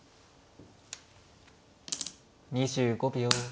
２５秒。